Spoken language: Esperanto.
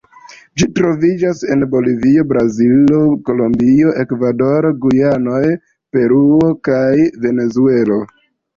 Ĝi troviĝas en Bolivio, Brazilo, Kolombio, Ekvadoro, Gujanoj, Peruo, kaj Venezuelo.